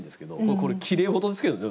これきれいごとですけどね